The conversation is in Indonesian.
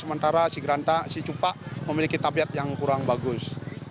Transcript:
sementara si cupak memiliki tabiat yang kurang bagus